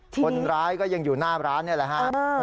คนร้ายก็ยังอยู่หน้าร้านนี่แหละฮะ